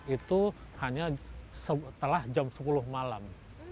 itu hanya setelah jam sepuluh malam